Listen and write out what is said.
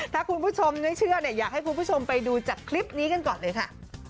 ถ้าคุณผู้ชมไม่เชื่อเนี่ยอยากให้คุณผู้ชมไปดูจากคลิปนี้กันก่อนเลยค่ะ